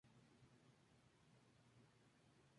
Nombre que le pusieron los primeros ferroviarios.